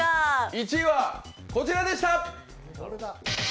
１位はこちらでした！